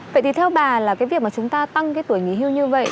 vậy thì theo bà là cái việc mà chúng ta tăng cái tuổi nghỉ hưu như vậy